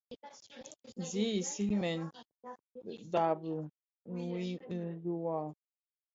Zi isigmèn bidaabi dhiwa.